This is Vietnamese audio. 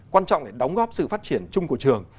quan trọng để đóng góp sự phát triển chung của trường